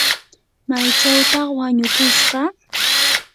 ¿maychawtaq wanukushqa?